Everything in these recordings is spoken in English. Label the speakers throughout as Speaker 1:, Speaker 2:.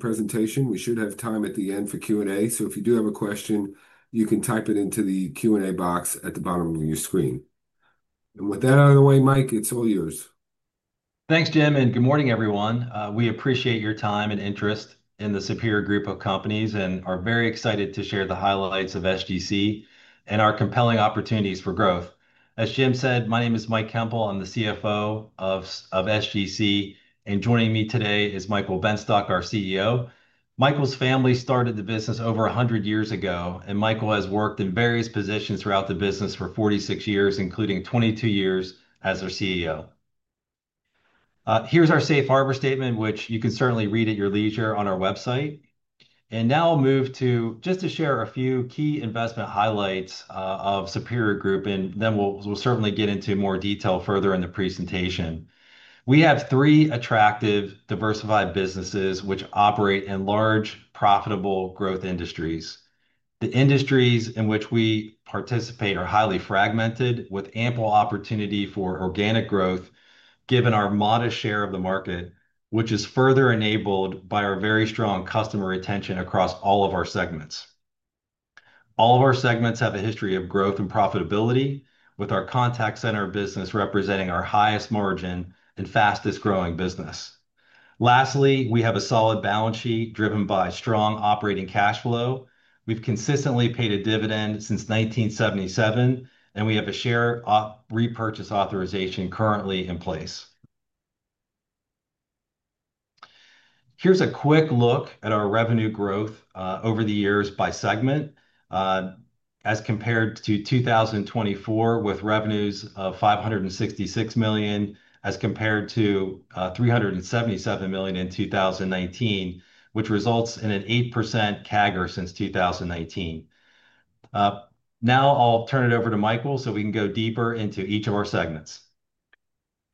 Speaker 1: Presentation. We should have time at the end for Q&A, so if you do have a question, you can type it into the Q&A box at the bottom of your screen. With that out of the way, Mike, it's all yours.
Speaker 2: Thanks, Jim, and good morning, everyone. We appreciate your time and interest in the Superior Group of Companies and are very excited to share the highlights of SGC and our compelling opportunities for growth. As Jim said, my name is Mike Koempel. I'm the CFO of SGC, and joining me today is Michael Benstock, our CEO. Michael's family started the business over 100 years ago, and Michael has worked in various positions throughout the business for 46 years, including 22 years as our CEO. Here is our safe harbor statement, which you can certainly read at your leisure on our website. Now I'll move to just share a few key investment highlights of Superior Group, and then we'll certainly get into more detail further in the presentation. We have three attractive, diversified businesses which operate in large, profitable growth industries. The industries in which we participate are highly fragmented, with ample opportunity for organic growth given our modest share of the market, which is further enabled by our very strong customer retention across all of our segments. All of our segments have a history of growth and profitability, with our contact center business representing our highest margin and fastest growing business. Lastly, we have a solid balance sheet driven by strong operating cash flow. We've consistently paid a dividend since 1977, and we have a share repurchase authorization currently in place. Here's a quick look at our revenue growth over the years by segment as compared to 2024, with revenues of $566 million as compared to $377 million in 2019, which results in an 8% CAGR since 2019. Now I'll turn it over to Michael so we can go deeper into each of our segments.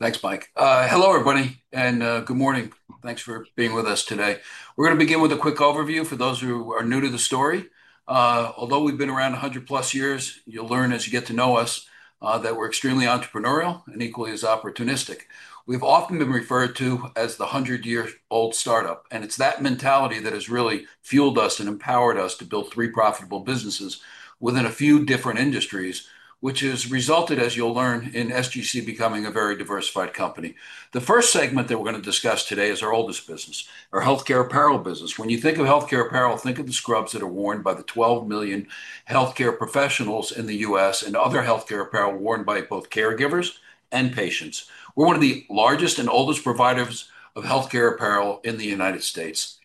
Speaker 3: Thanks, Mike. Hello, everybody, and good morning. Thanks for being with us today. We're going to begin with a quick overview for those who are new to the story. Although we've been around 100+ years, you'll learn as you get to know us that we're extremely entrepreneurial and equally as opportunistic. We've often been referred to as the 100-year-old startup, and it's that mentality that has really fueled us and empowered us to build three profitable businesses within a few different industries, which has resulted, as you'll learn, in SGC becoming a very diversified company. The first segment that we're going to discuss today is our oldest business, our healthcare apparel business. When you think of healthcare apparel, think of the scrubs that are worn by the 12 million healthcare professionals in the U.S. and other healthcare apparel worn by both caregivers and patients. We're one of the largest and oldest providers of healthcare apparel in the United States.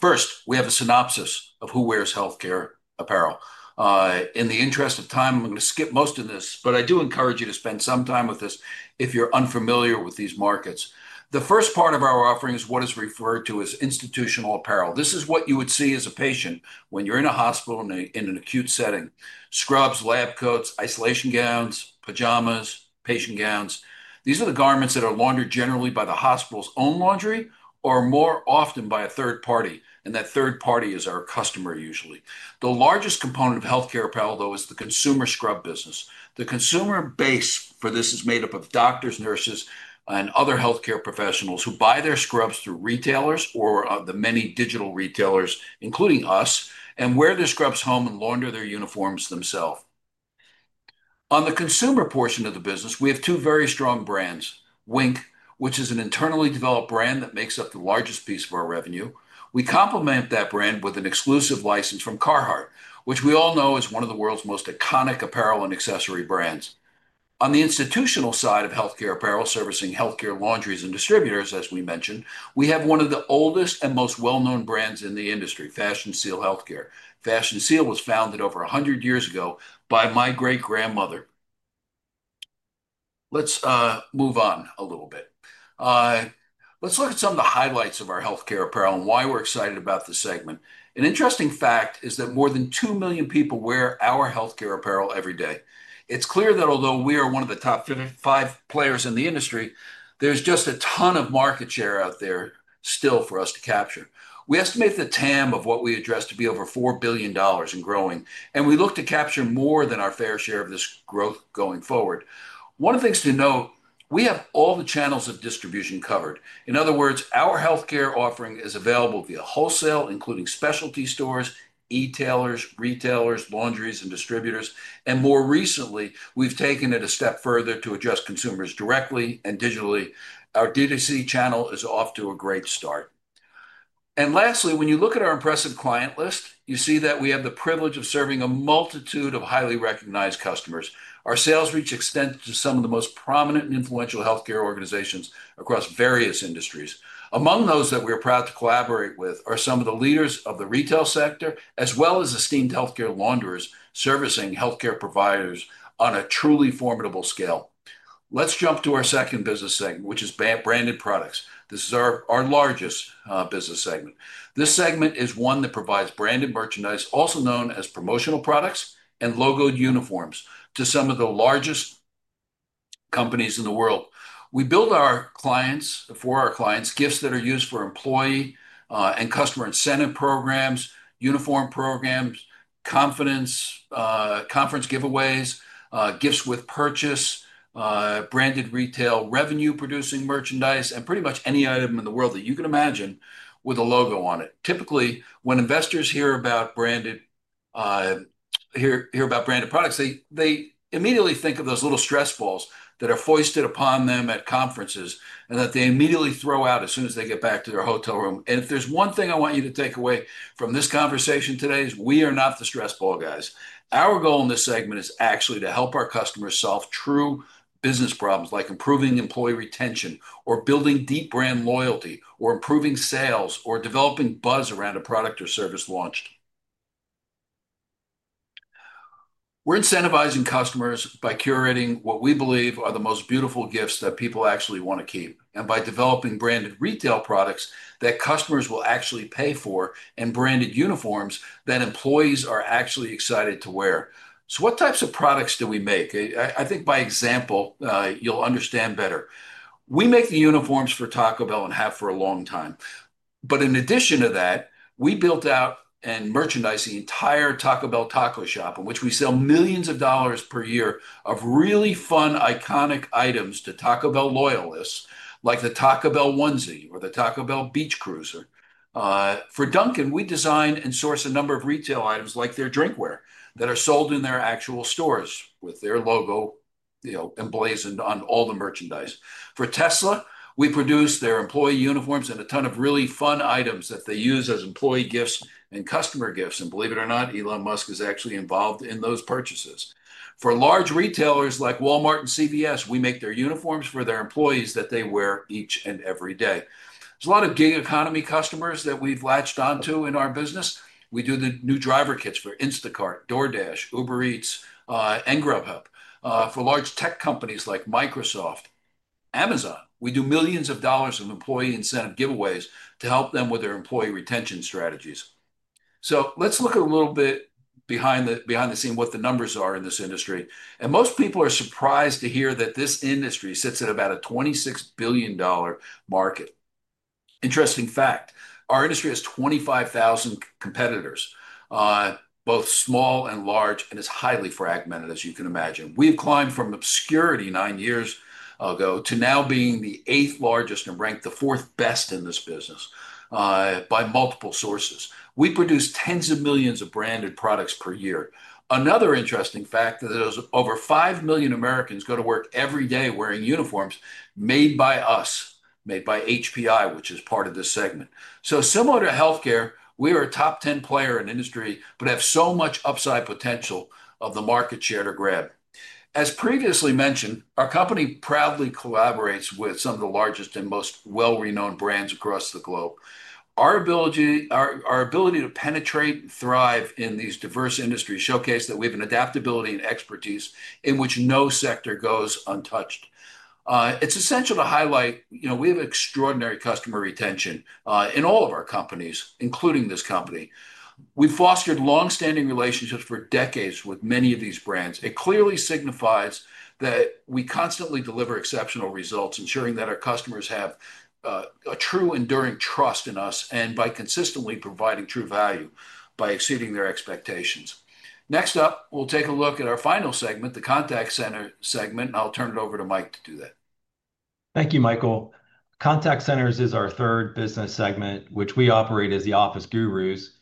Speaker 3: First, we have a synopsis of who wears healthcare apparel. In the interest of time, I'm going to skip most of this, but I do encourage you to spend some time with this if you're unfamiliar with these markets. The first part of our offering is what is referred to as institutional apparel. This is what you would see as a patient when you're in a hospital in an acute setting: scrubs, lab coats, isolation gowns, pajamas, patient gowns. These are the garments that are laundered generally by the hospital's own laundry or more often by a third party, and that third party is our customer, usually. The largest component of healthcare apparel, though, is the consumer scrub business. The consumer base for this is made up of doctors, nurses, and other healthcare professionals who buy their scrubs through retailers or the many digital retailers, including us, and wear their scrubs home and launder their uniforms themselves. On the consumer portion of the business, we have two very strong brands: Wink, which is an internally developed brand that makes up the largest piece of our revenue. We complement that brand with an exclusive license from Carhartt, which we all know is one of the world's most iconic apparel and accessory brands. On the institutional side of healthcare apparel, servicing healthcare laundries and distributors, as we mentioned, we have one of the oldest and most well-known brands in the industry: Fashion Seal Healthcare. Fashion Seal was founded over 100 years ago by my great-grandmother. Let's move on a little bit. Let's look at some of the highlights of our healthcare apparel and why we're excited about this segment. An interesting fact is that more than 2 million people wear our healthcare apparel every day. It's clear that although we are one of the top five players in the industry, there's just a ton of market share out there still for us to capture. We estimate the TAM of what we address to be over $4 billion and growing, and we look to capture more than our fair share of this growth going forward. One of the things to note, we have all the channels of distribution covered. In other words, our healthcare offering is available via wholesale, including specialty stores, e-tailers, retailers, laundries, and distributors. More recently, we've taken it a step further to address consumers directly and digitally. Our D2C channel is off to a great start. Lastly, when you look at our impressive client list, you see that we have the privilege of serving a multitude of highly recognized customers. Our sales reach extends to some of the most prominent and influential healthcare organizations across various industries. Among those that we are proud to collaborate with are some of the leaders of the retail sector, as well as esteemed healthcare laundries, servicing healthcare providers on a truly formidable scale. Let's jump to our second business segment, which is branded products. This is our largest business segment. This segment is one that provides branded merchandise, also known as promotional products and logoed uniforms, to some of the largest companies in the world. We build for our clients gifts that are used for employee and customer incentive programs, uniform programs, conference giveaways, gifts with purchase, branded retail revenue-producing merchandise, and pretty much any item in the world that you can imagine with a logo on it. Typically, when investors hear about branded products, they immediately think of those little stress balls that are foisted upon them at conferences and that they immediately throw out as soon as they get back to their hotel room. If there's one thing I want you to take away from this conversation today, it's we are not the stress ball guys. Our goal in this segment is actually to help our customers solve true business problems like improving employee retention or building deep brand loyalty or improving sales or developing buzz around a product or service launched. We're incentivizing customers by curating what we believe are the most beautiful gifts that people actually want to keep and by developing branded retail products that customers will actually pay for and branded uniforms that employees are actually excited to wear. What types of products do we make? I think by example, you'll understand better. We make the uniforms for Taco Bell and have for a long time. In addition to that, we built out and merchandised the entire Taco Bell Taco Shop, in which we sell millions of dollars per year of really fun, iconic items to Taco Bell loyalists, like the Taco Bell onesie or the Taco Bell beach cruiser. For Dunkin', we design and source a number of retail items, like their drinkware, that are sold in their actual stores with their logo emblazoned on all the merchandise. For Tesla, we produce their employee uniforms and a ton of really fun items that they use as employee gifts and customer gifts. And believe it or not, Elon Musk is actually involved in those purchases. For large retailers like Walmart and CVS, we make their uniforms for their employees that they wear each and every day. There is a lot of gig economy customers that we have latched onto in our business. We do the new driver kits for Instacart, DoorDash, Uber Eats, and Grubhub. For large tech companies like Microsoft, Amazon, we do millions of dollars of employee incentive giveaways to help them with their employee retention strategies. Let's look a little bit behind the scenes at what the numbers are in this industry. Most people are surprised to hear that this industry sits at about a $26 billion market. Interesting fact, our industry has 25,000 competitors, both small and large, and is highly fragmented, as you can imagine. We have climbed from obscurity nine years ago to now being the eighth largest and ranked the fourth best in this business by multiple sources. We produce tens of millions of branded products per year. Another interesting fact is that over 5 million Americans go to work every day wearing uniforms made by us, made by HPI, which is part of this segment. Similar to healthcare, we are a top 10 player in the industry, but have so much upside potential of the market share to grab. As previously mentioned, our company proudly collaborates with some of the largest and most well-renowned brands across the globe. Our ability to penetrate and thrive in these diverse industries showcases that we have an adaptability and expertise in which no sector goes untouched. It's essential to highlight we have extraordinary customer retention in all of our companies, including this company. We've fostered long-standing relationships for decades with many of these brands. It clearly signifies that we constantly deliver exceptional results, ensuring that our customers have a true, enduring trust in us and by consistently providing true value by exceeding their expectations. Next up, we'll take a look at our final segment, the contact center segment, and I'll turn it over to Mike to do that.
Speaker 2: Thank you, Michael. Contact centers is our third business segment, which we operate as the Office Gurus.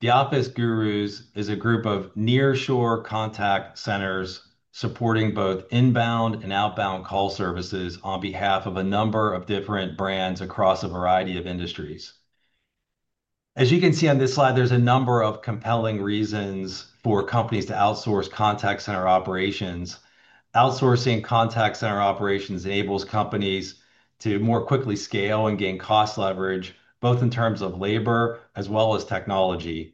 Speaker 2: The Office Gurus is a group of nearshore contact centers supporting both inbound and outbound call services on behalf of a number of different brands across a variety of industries. As you can see on this slide, there's a number of compelling reasons for companies to outsource contact center operations. Outsourcing contact center operations enables companies to more quickly scale and gain cost leverage, both in terms of labor as well as technology.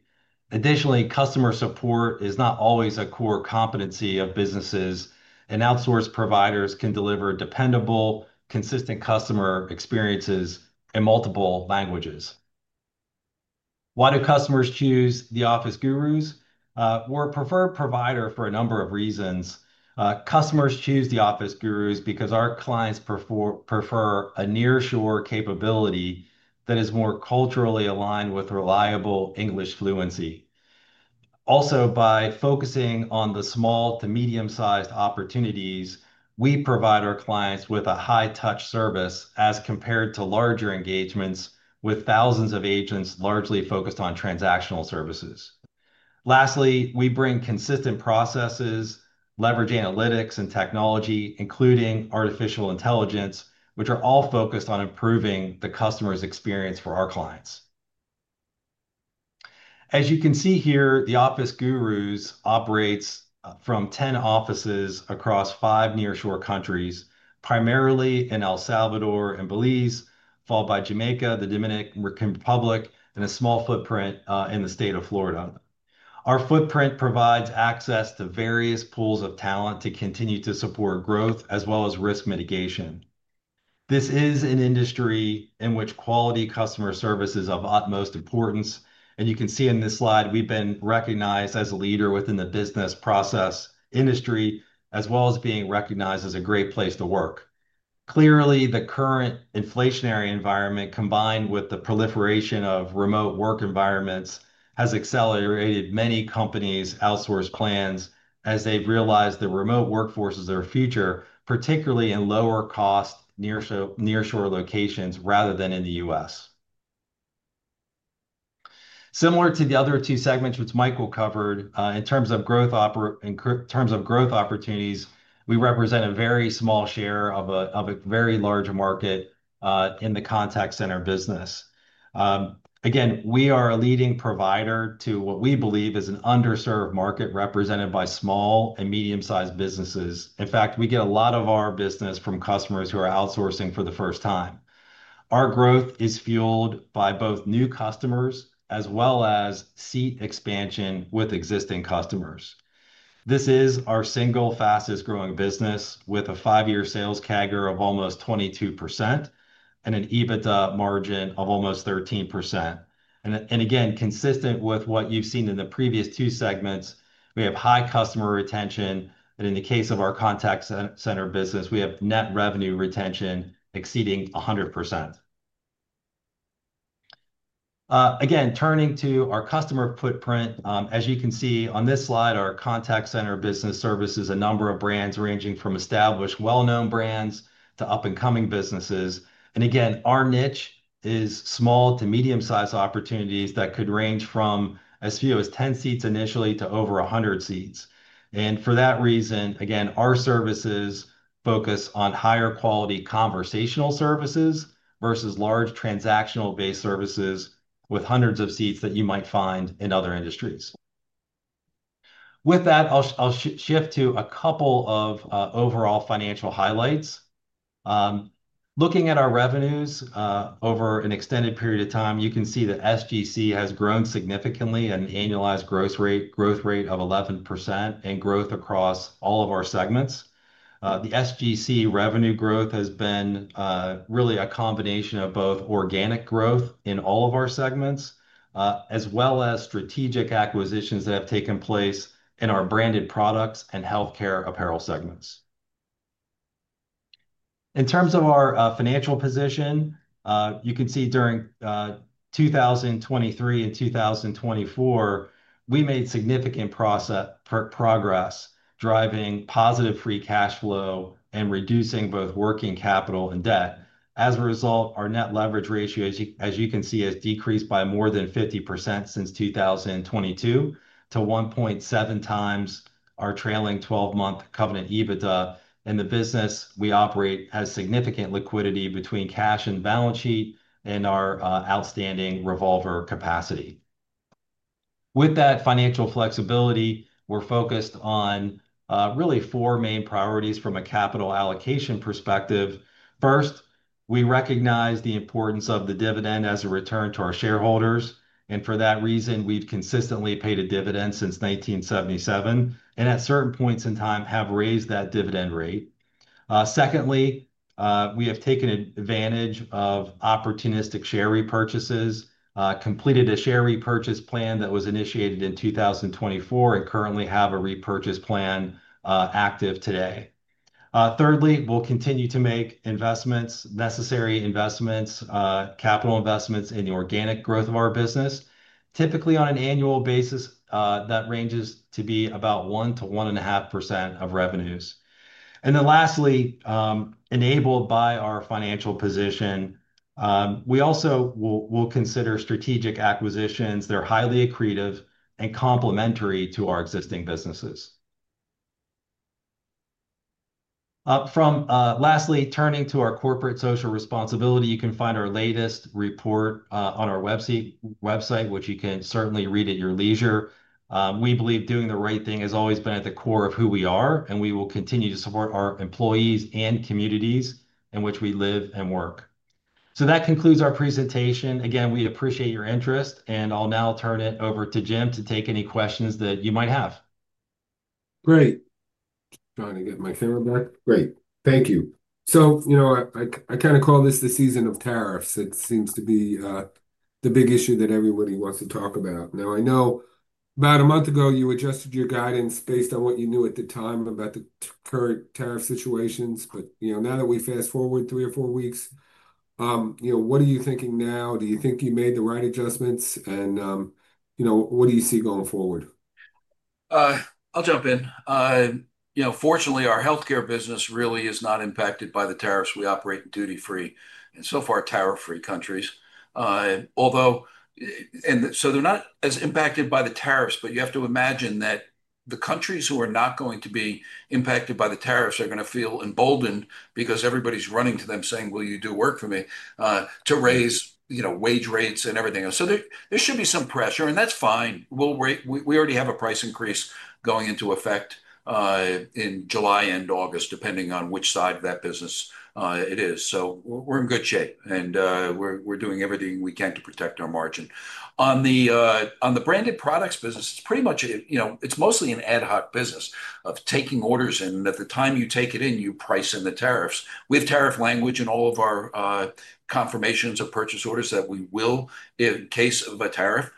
Speaker 2: Additionally, customer support is not always a core competency of businesses, and outsourced providers can deliver dependable, consistent customer experiences in multiple languages. Why do customers choose the Office Gurus? We're a preferred provider for a number of reasons. Customers choose the Office Gurus because our clients prefer a nearshore capability that is more culturally aligned with reliable English fluency. Also, by focusing on the small to medium-sized opportunities, we provide our clients with a high-touch service as compared to larger engagements with thousands of agents largely focused on transactional services. Lastly, we bring consistent processes, leverage analytics and technology, including artificial intelligence, which are all focused on improving the customer's experience for our clients. As you can see here, the Office Gurus operates from 10 offices across five nearshore countries, primarily in El Salvador and Belize, followed by Jamaica, the Dominican Republic, and a small footprint in the state of Florida. Our footprint provides access to various pools of talent to continue to support growth as well as risk mitigation. This is an industry in which quality customer service is of utmost importance. You can see in this slide, we've been recognized as a leader within the business process industry, as well as being recognized as a great place to work. Clearly, the current inflationary environment, combined with the proliferation of remote work environments, has accelerated many companies' outsource plans as they've realized the remote workforce is their future, particularly in lower-cost nearshore locations rather than in the U.S. Similar to the other two segments, which Michael covered, in terms of growth opportunities, we represent a very small share of a very large market in the contact center business. Again, we are a leading provider to what we believe is an underserved market represented by small and medium-sized businesses. In fact, we get a lot of our business from customers who are outsourcing for the first time. Our growth is fueled by both new customers as well as seat expansion with existing customers. This is our single fastest-growing business with a five-year sales CAGR of almost 22% and an EBITDA margin of almost 13%. Again, consistent with what you've seen in the previous two segments, we have high customer retention. In the case of our contact center business, we have net revenue retention exceeding 100%. Turning to our customer footprint, as you can see on this slide, our contact center business services a number of brands ranging from established, well-known brands to up-and-coming businesses. Our niche is small to medium-sized opportunities that could range from as few as 10 seats initially to over 100 seats. For that reason, our services focus on higher-quality conversational services versus large transactional-based services with hundreds of seats that you might find in other industries. With that, I'll shift to a couple of overall financial highlights. Looking at our revenues over an extended period of time, you can see that SGC has grown significantly at an annualized growth rate of 11% and growth across all of our segments. The SGC revenue growth has been really a combination of both organic growth in all of our segments, as well as strategic acquisitions that have taken place in our branded products and healthcare apparel segments. In terms of our financial position, you can see during 2023 and 2024, we made significant progress, driving positive free cash flow and reducing both working capital and debt. As a result, our net leverage ratio, as you can see, has decreased by more than 50% since 2022 to 1.7x our trailing 12-month covenant EBITDA. The business we operate has significant liquidity between cash and balance sheet and our outstanding revolver capacity. With that financial flexibility, we're focused on really four main priorities from a capital allocation perspective. First, we recognize the importance of the dividend as a return to our shareholders. For that reason, we've consistently paid a dividend since 1977 and at certain points in time have raised that dividend rate. Secondly, we have taken advantage of opportunistic share repurchases, completed a share repurchase plan that was initiated in 2024, and currently have a repurchase plan active today. Thirdly, we'll continue to make investments, necessary investments, capital investments in the organic growth of our business, typically on an annual basis that ranges to be about 1%-1.5% of revenues. Lastly, enabled by our financial position, we also will consider strategic acquisitions. They're highly accretive and complementary to our existing businesses. Lastly, turning to our corporate social responsibility, you can find our latest report on our website, which you can certainly read at your leisure. We believe doing the right thing has always been at the core of who we are, and we will continue to support our employees and communities in which we live and work. That concludes our presentation. Again, we appreciate your interest, and I'll now turn it over to Jim to take any questions that you might have.
Speaker 1: Great. Trying to get my camera back. Great. Thank you. I kind of call this the season of tariffs. It seems to be the big issue that everybody wants to talk about. I know about a month ago, you adjusted your guidance based on what you knew at the time about the current tariff situations. Now that we fast forward three or four weeks, what are you thinking now? Do you think you made the right adjustments? What do you see going forward?
Speaker 3: I'll jump in. Fortunately, our healthcare business really is not impacted by the tariffs. We operate in duty-free and so far tariff-free countries. They are not as impacted by the tariffs, but you have to imagine that the countries who are not going to be impacted by the tariffs are going to feel emboldened because everybody's running to them saying, "Will you do work for me to raise wage rates and everything else?" There should be some pressure, and that's fine. We already have a price increase going into effect in July and August, depending on which side of that business it is. We are in good shape, and we are doing everything we can to protect our margin. On the branded products business, it's mostly an ad hoc business of taking orders in. At the time you take it in, you price in the tariffs. We have tariff language in all of our confirmations of purchase orders that we will, in case of a tariff,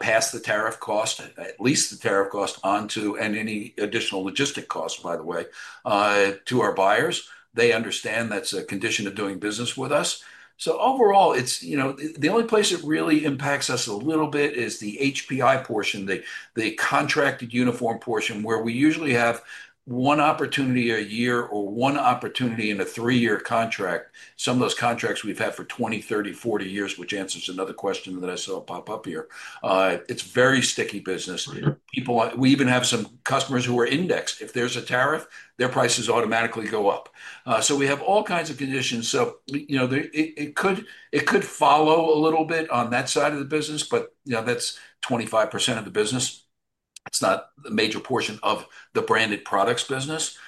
Speaker 3: pass the tariff cost, at least the tariff cost, onto any additional logistic costs, by the way, to our buyers. They understand that's a condition of doing business with us. Overall, the only place it really impacts us a little bit is the HPI portion, the contracted uniform portion, where we usually have one opportunity a year or one opportunity in a three-year contract. Some of those contracts we've had for 20, 30, 40 years, which answers another question that I saw pop up here. It's a very sticky business. We even have some customers who are indexed. If there's a tariff, their prices automatically go up. We have all kinds of conditions. It could follow a little bit on that side of the business, but that's 25% of the business. It's not a major portion of the branded products business.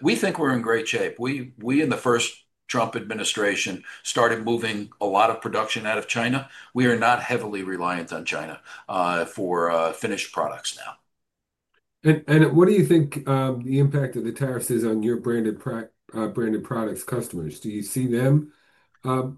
Speaker 3: We think we're in great shape. We, in the first Trump administration, started moving a lot of production out of China. We are not heavily reliant on China for finished products now.
Speaker 1: What do you think the impact of the tariffs is on your branded products customers? Do you see them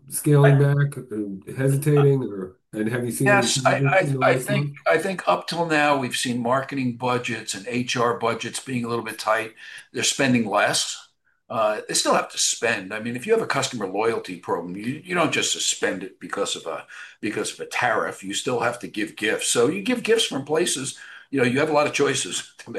Speaker 1: scaling back and hesitating? Have you seen any significant improvements?
Speaker 3: I think up till now, we've seen marketing budgets and HR budgets being a little bit tight. They're spending less. They still have to spend. I mean, if you have a customer loyalty program, you don't just suspend it because of a tariff. You still have to give gifts. You give gifts from places you have a lot of choices to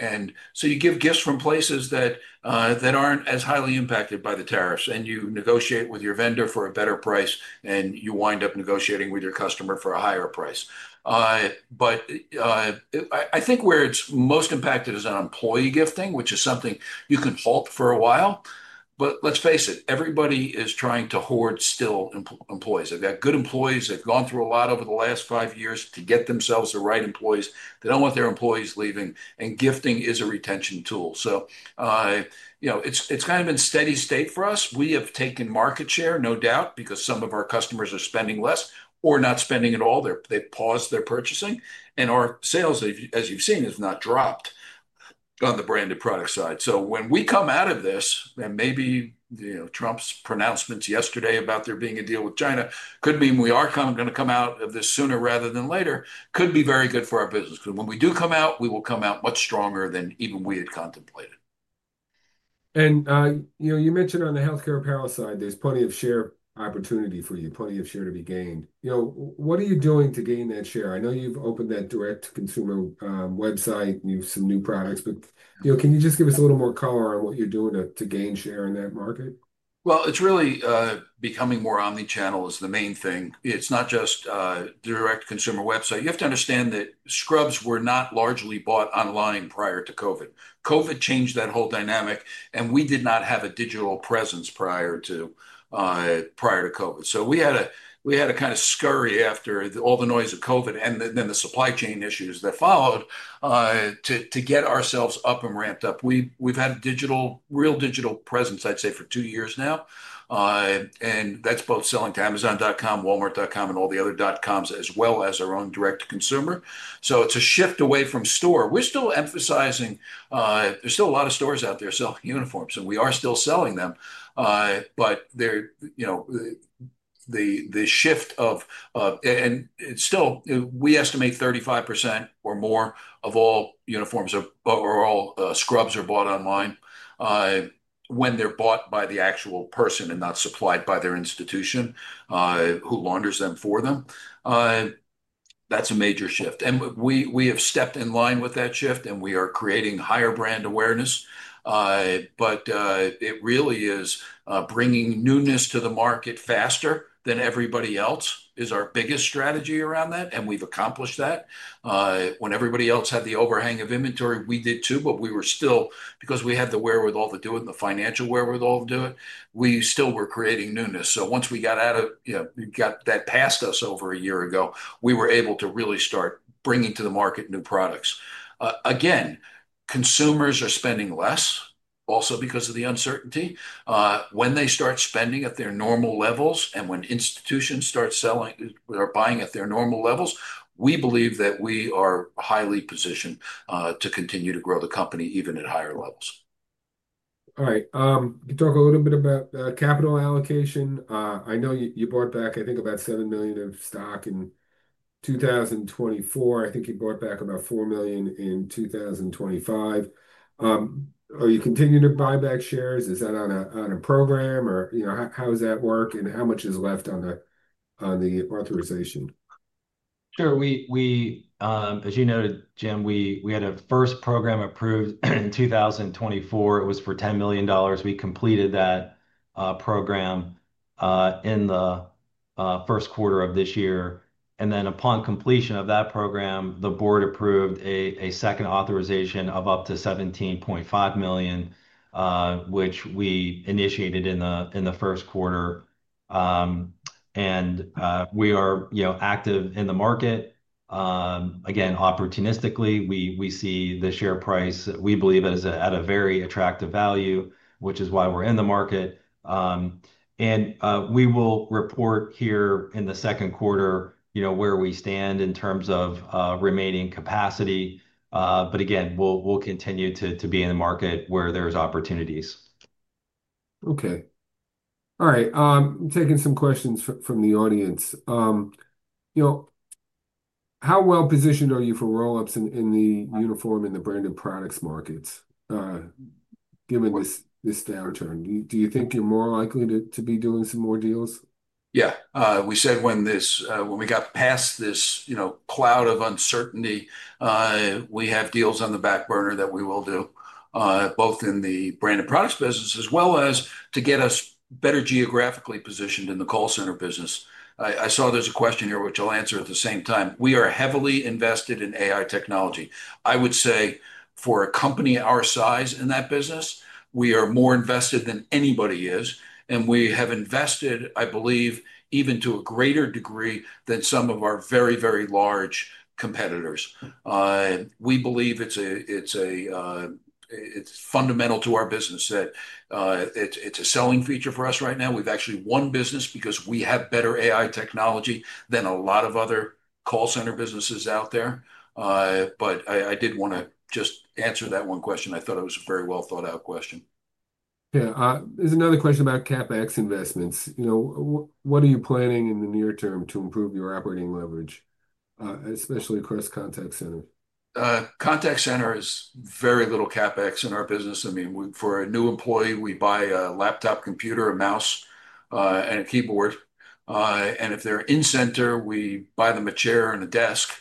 Speaker 3: make. You give gifts from places that aren't as highly impacted by the tariffs, and you negotiate with your vendor for a better price, and you wind up negotiating with your customer for a higher price. I think where it's most impacted is on employee gifting, which is something you can hope for a while. Let's face it, everybody is trying to hoard still employees. They've got good employees that have gone through a lot over the last five years to get themselves the right employees. They don't want their employees leaving, and gifting is a retention tool. It is kind of been steady state for us. We have taken market share, no doubt, because some of our customers are spending less or not spending at all. They've paused their purchasing, and our sales, as you've seen, have not dropped on the branded products side. When we come out of this, and maybe Trump's pronouncements yesterday about there being a deal with China could be—we are kind of going to come out of this sooner rather than later—could be very good for our business. When we do come out, we will come out much stronger than even we had contemplated.
Speaker 1: You mentioned on the healthcare apparel side, there's plenty of share opportunity for you, plenty of share to be gained. What are you doing to gain that share? I know you've opened that direct-to-consumer website, and you have some new products, but can you just give us a little more color on what you're doing to gain share in that market?
Speaker 3: It is really becoming more omnichannel is the main thing. It is not just a direct-to-consumer website. You have to understand that scrubs were not largely bought online prior to COVID. COVID changed that whole dynamic, and we did not have a digital presence prior to COVID. We had to kind of scurry after all the noise of COVID and then the supply chain issues that followed to get ourselves up and ramped up. We have had a real digital presence, I would say, for two years now. That is both selling to Amazon.com, Walmart.com, and all the other dot-coms, as well as our own direct-to-consumer. It is a shift away from store. We are still emphasizing—there are still a lot of stores out there selling uniforms, and we are still selling them. The shift of—and we estimate 35% or more of all uniforms or all scrubs are bought online when they're bought by the actual person and not supplied by their institution who launders them for them. That is a major shift. We have stepped in line with that shift, and we are creating higher brand awareness. It really is bringing newness to the market faster than everybody else is our biggest strategy around that, and we've accomplished that. When everybody else had the overhang of inventory, we did too, but we were still, because we had the wherewithal to do it, the financial wherewithal to do it, we still were creating newness. Once we got out of—we got that past us over a year ago, we were able to really start bringing to the market new products. Again, consumers are spending less, also because of the uncertainty. When they start spending at their normal levels and when institutions start selling or buying at their normal levels, we believe that we are highly positioned to continue to grow the company even at higher levels.
Speaker 1: All right. Can you talk a little bit about capital allocation? I know you bought back, I think, about $7 million of stock in 2024. I think you bought back about $4 million in 2025. Are you continuing to buy back shares? Is that on a program? Or how does that work, and how much is left on the authorization?
Speaker 2: Sure. As you know, Jim, we had a first program approved in 2024. It was for $10 million. We completed that program in the first quarter of this year. Upon completion of that program, the board approved a second authorization of up to $17.5 million, which we initiated in the first quarter. We are active in the market. Again, opportunistically, we see the share price, we believe, at a very attractive value, which is why we're in the market. We will report here in the second quarter where we stand in terms of remaining capacity. Again, we'll continue to be in a market where there's opportunities.
Speaker 1: Okay. All right. I'm taking some questions from the audience. How well positioned are you for roll-ups in the uniform and the branded products markets given this downturn? Do you think you're more likely to be doing some more deals?
Speaker 3: Yeah. We said when we got past this cloud of uncertainty, we have deals on the back burner that we will do, both in the branded products business as well as to get us better geographically positioned in the call center business. I saw there's a question here, which I'll answer at the same time. We are heavily invested in AI technology. I would say for a company our size in that business, we are more invested than anybody is. We have invested, I believe, even to a greater degree than some of our very, very large competitors. We believe it's fundamental to our business that it's a selling feature for us right now. We've actually won business because we have better AI technology than a lot of other call center businesses out there. I did want to just answer that one question. I thought it was a very well-thought-out question.
Speaker 1: Yeah. There's another question about CapEx investments. What are you planning in the near term to improve your operating leverage, especially across contact center?
Speaker 3: Contact center is very little CapEx in our business. I mean, for a new employee, we buy a laptop, computer, a mouse, and a keyboard. If they're in center, we buy them a chair and a desk.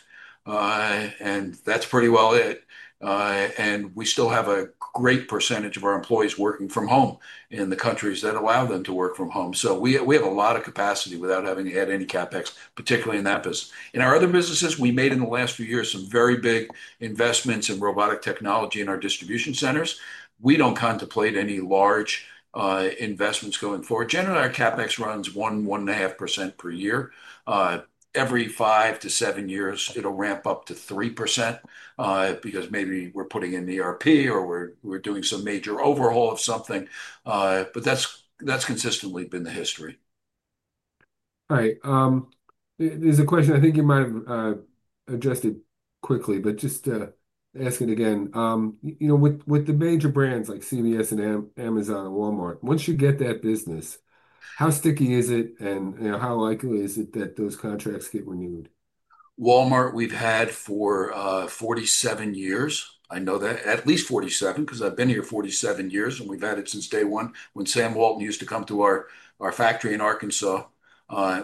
Speaker 3: That's pretty well it. We still have a great percentage of our employees working from home in the countries that allow them to work from home. We have a lot of capacity without having had any CapEx, particularly in that business. In our other businesses, we made in the last few years some very big investments in robotic technology in our distribution centers. We do not contemplate any large investments going forward. Generally, our CapEx runs 1%-1.5% per year. Every five to seven years, it'll ramp up to 3% because maybe we're putting in ERP or we're doing some major overhaul of something. That's consistently been the history.
Speaker 1: All right. There's a question, I think you might have addressed it quickly, but just ask it again. With the major brands like CVS and Amazon, Walmart, once you get that business, how sticky is it, and how likely is it that those contracts get renewed?
Speaker 3: Walmart, we've had for 47 years. I know that, at least 47, because I've been here 47 years, and we've had it since day one when Sam Walton used to come to our factory in Arkansas.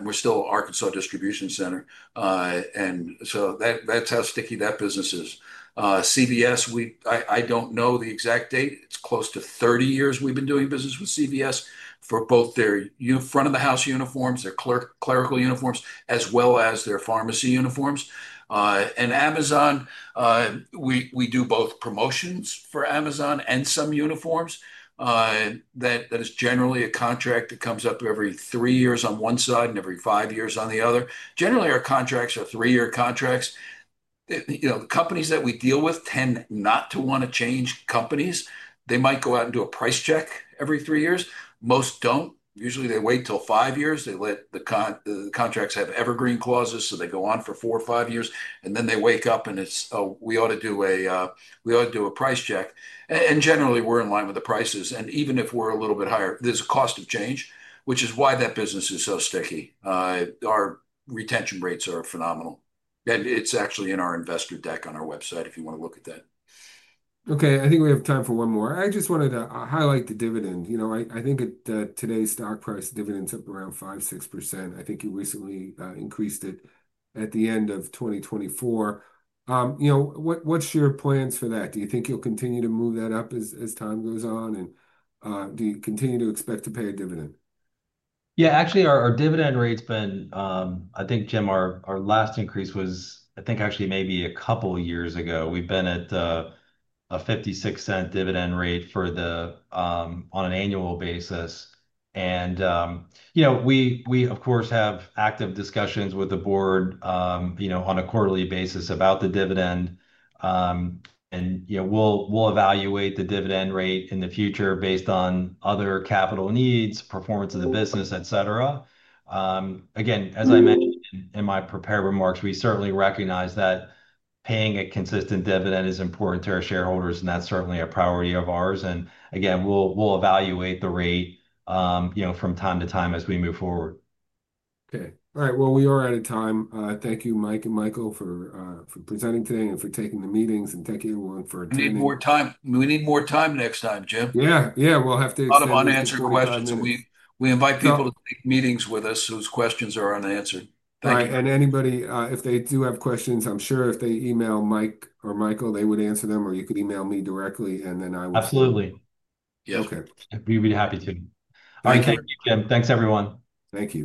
Speaker 3: We're still an Arkansas distribution center. That is how sticky that business is. CVS, I don't know the exact date. It's close to 30 years we've been doing business with CVS for both their front-of-the-house uniforms, their clerical uniforms, as well as their pharmacy uniforms. Amazon, we do both promotions for Amazon and some uniforms. That is generally a contract that comes up every three years on one side and every five years on the other. Generally, our contracts are three-year contracts. Companies that we deal with tend not to want to change companies. They might go out and do a price check every three years. Most don't. Usually, they wait till five years. They let the contracts have evergreen clauses, so they go on for four or five years. Then they wake up, and it's, "Oh, we ought to do a price check." Generally, we're in line with the prices. Even if we're a little bit higher, there's a cost of change, which is why that business is so sticky. Our retention rates are phenomenal. It's actually in our investor deck on our website if you want to look at that.
Speaker 1: Okay. I think we have time for one more. I just wanted to highlight the dividend. I think today's stock price dividend's up around 5%-6%. I think you recently increased it at the end of 2024. What's your plans for that? Do you think you'll continue to move that up as time goes on? Do you continue to expect to pay a dividend?
Speaker 2: Yeah. Actually, our dividend rate's been, I think, Jim, our last increase was, I think, actually maybe a couple of years ago. We've been at a $0.56 dividend rate on an annual basis. We, of course, have active discussions with the board on a quarterly basis about the dividend. We'll evaluate the dividend rate in the future based on other capital needs, performance of the business, etc. Again, as I mentioned in my prepared remarks, we certainly recognize that paying a consistent dividend is important to our shareholders, and that's certainly a priority of ours. Again, we'll evaluate the rate from time to time as we move forward.
Speaker 1: Okay. All right. We are out of time. Thank you, Mike and Michael, for presenting today and for taking the meetings, and thank you for.
Speaker 3: We need more time. We need more time next time, Jim.
Speaker 1: Yeah. Yeah. We'll have to.
Speaker 3: A lot of unanswered questions. We invite people to take meetings with us whose questions are unanswered.
Speaker 1: All right. If anybody does have questions, I'm sure if they email Mike or Michael, they would answer them, or you could email me directly, and then I will.
Speaker 2: Absolutely. Yes. We'd be happy to. All right. Thank you, Jim. Thanks, everyone.
Speaker 1: Thank you.